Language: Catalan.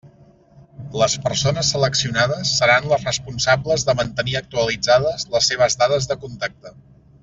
Les persones seleccionades seran les responsables de mantenir actualitzades les seves dades de contacte.